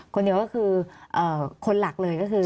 คนเดียวก็คือคนหลักเลยก็คือ